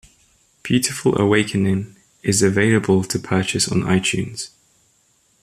"Beautiful Awakening" is available to purchase on iTunes.